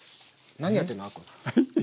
何やってんの。